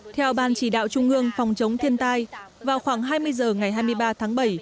theo ban chỉ đạo trung ương phòng chống thiên tai vào khoảng hai mươi h ngày hai mươi ba tháng bảy